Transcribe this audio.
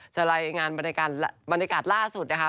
รายงานบรรยากาศล่าสุดนะคะ